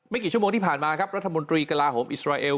กี่ชั่วโมงที่ผ่านมาครับรัฐมนตรีกระลาโหมอิสราเอล